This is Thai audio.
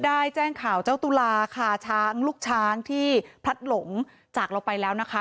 ได้แจ้งข่าวเจ้าตุลาค่ะช้างลูกช้างที่พลัดหลงจากเราไปแล้วนะคะ